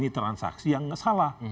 transaksi yang salah